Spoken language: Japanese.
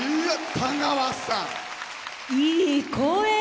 いい声！